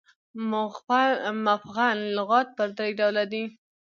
مفغن لغات پر درې ډوله دي.